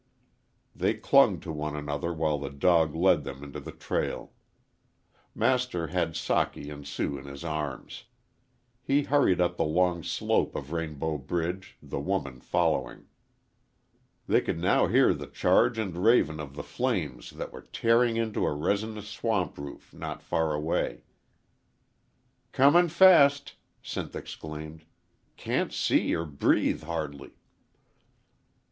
They clung to one another while the dog led them into the trail. Master had Socky and Sue in his arms. He hurried up the long slope of Rainbow Ridge, the woman following. They could now hear the charge and raven of the flames that were tearing into a resinous swamp roof not far away. "Comin' fast!" Sinth exclaimed. "Can't see or breathe hardly."